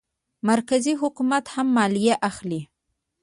مرکزي حکومت هم مالیه اخلي.